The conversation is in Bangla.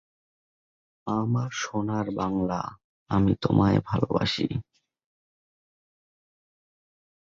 এটি ছিলো একটি মিশ্র অ্যালবাম।